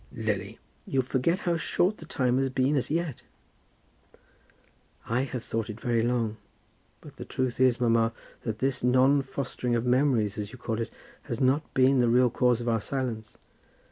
"Lily, you forget how short the time has been as yet." "I have thought it very long; but the truth is, mamma, that this non fostering of memories, as you call it, has not been the real cause of our silence.